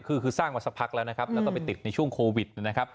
คือสร้างมาสักพักแล้วแล้วก็ไปติดในช่วงโควิด